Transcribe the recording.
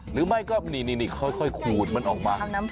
หรือไม่ก็นี่ค่อยขูดมันออกมา